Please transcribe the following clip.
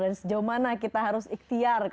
dan sejauh mana kita harus ikhtiar kalau begitu